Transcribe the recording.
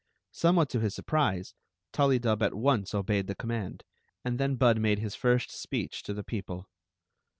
Somewhat to his surprise, Tullydub at once obeyed the command, and then Bud made his first ^leech to the people.